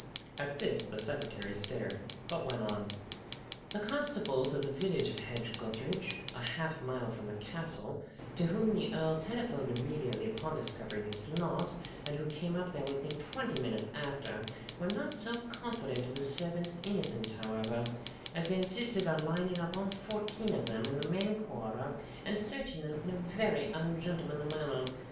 At this, the secretary stared, but went on: "The constables from the village of Hedge gutheridge, a half a mile from the castle, to whom the Earl telephoned immediately upon discovering his loss, and who came up there within twenty minutes after, were not so confident of the servants' innocence, however, as they insisted on lining up all fourteen of them in the main corridor and searching them in a very ungentlemanly manner!